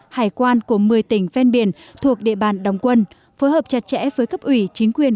hải quan của một mươi tỉnh ven biển thuộc địa bàn đồng quân phối hợp chặt chẽ với cấp ủy chính quyền